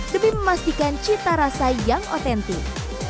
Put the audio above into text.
demi memastikan cita rasa yang otentik